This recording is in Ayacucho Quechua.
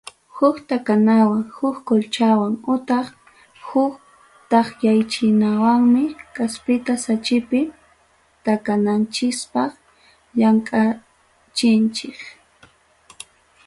Huk takanawan, huk colchawan utaq huk takyaychinawanmi kaspita sachapi takananchikpaq llamkachinchik.